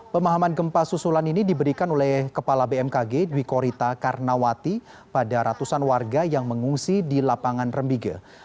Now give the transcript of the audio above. pemahaman gempa susulan ini diberikan oleh kepala bmkg dwi korita karnawati pada ratusan warga yang mengungsi di lapangan rembige